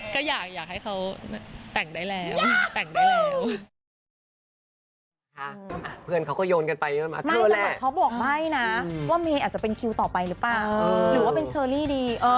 ก็อยากให้เขาแต่งได้แล้ว